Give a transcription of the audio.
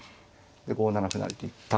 で５七歩成と行った。